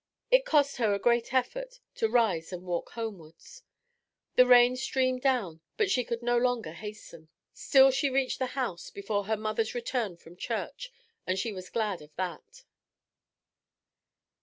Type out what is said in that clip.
It cost her a great effort to rise and walk homewards. The rain streamed down, but she could no longer hasten. Still she reached the house before her mother's return from church, and she was glad of that.